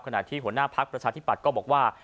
ขณะที่หัวหน้าพักประชาธิปัตย์ก็บอกว่า